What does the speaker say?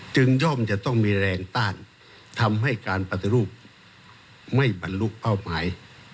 ย่อมจะต้องมีแรงต้านทำให้การปฏิรูปไม่บรรลุเป้าหมาย